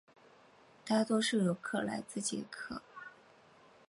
大多数游客来自捷克。